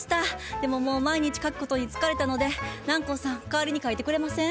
でももう毎日書くことに疲れたので南光さん代わりに書いてくれません？